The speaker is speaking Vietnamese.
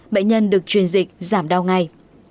bệnh nhân được chuyên dịch giảm đau ngay